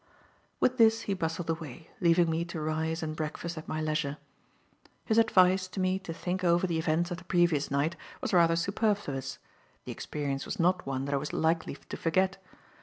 With this he bustled away, leaving me to rise and breakfast at my leisure. His advice to me to think over the events of the previous night was rather superfluous. The experience was not one that I was likely to forget.